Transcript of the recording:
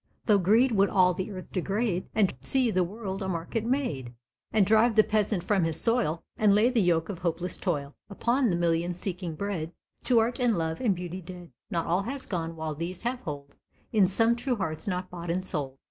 Though greed would all the earth degrade And see the world a market made, And drive the peasant from his soil, And lay the yoke of hopeless toil Upon the millions seeking bread, To art and love and beauty dead; Not all has gone while these have hold In some true hearts not bought and sold.